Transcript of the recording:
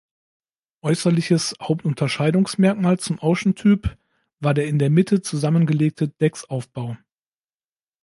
Äußerliches Hauptunterscheidungsmerkmal zum Ocean-Typ war der in der Mitte zusammengelegte Decksaufbau.